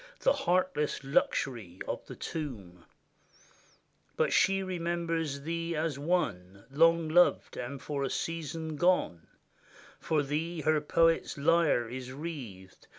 The heartless luxury of the tomb: But she remembers thee as one Long loved, and for a season gone; For thee her poet's lyre is wreathed.